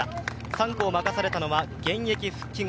３区を任されたのは現役復帰後